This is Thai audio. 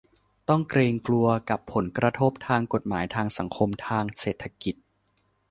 ต้องเกรงกลัวกับผลกระทบทางกฎหมาย ทางสังคม ทางเศรษฐกิจ